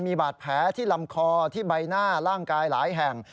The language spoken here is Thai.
มีบาดแผลที่ลำคอที่ใบหน้าร่างกายหลายแห่ง